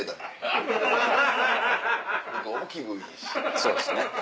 そうですね。